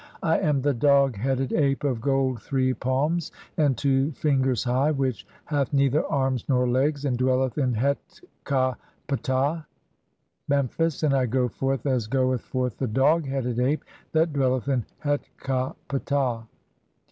(28) I am the dog headed ape of gold three palms "and two ringers [high], which hath neither arms nor legs and "dwelleth in Het ka Ptah (Memphis), and I go forth as goeth "forth the dog headed ape that dwelleth in Het ka Ptah."